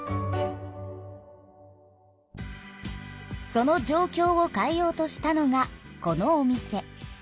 その状きょうを変えようとしたのがこのお店。